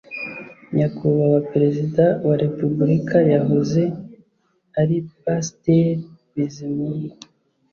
nyakubahwa perezida wa repubulika yahoze ari pasteur bizimungu